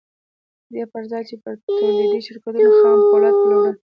د دې پر ځای یې پر تولیدي شرکتونو خام پولاد پلورل